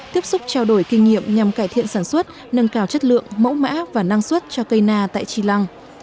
tiếp xúc trao đổi kinh nghiệm nhằm cải thiện sản xuất nâng cao chất lượng mẫu mã và năng suất cho cây na tại chi lăng